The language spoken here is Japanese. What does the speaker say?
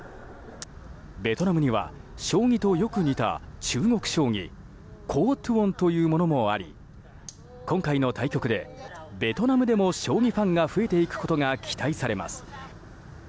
ベトナムには将棋とよく似た中国将棋コー・トゥオンというものがあり今回の対局で、ベトナムでも将棋ファンが増えていくことが期待されます。